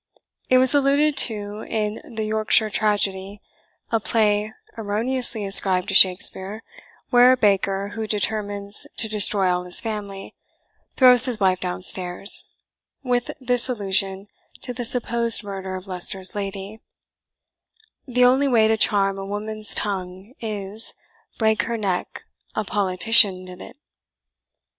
It was alluded to in the Yorkshire Tragedy, a play erroneously ascribed to Shakespeare, where a baker, who determines to destroy all his family, throws his wife downstairs, with this allusion to the supposed murder of Leicester's lady, "The only way to charm a woman's tongue Is, break her neck a politician did it."